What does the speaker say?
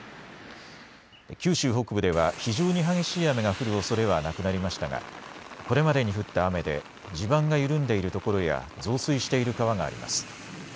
九州北部では非常に激しい雨が降るおそれはなくなりましたがこれまでに降った雨で地盤が緩んでいるところや増水している川があります。